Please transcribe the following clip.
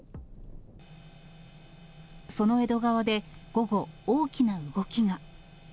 その江戸川で、午後、大きな動きが。